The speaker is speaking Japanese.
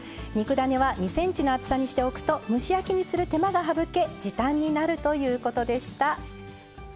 肉だねは２ｃｍの厚さにしておくと蒸し焼きにする手間が省け時短になるということでした。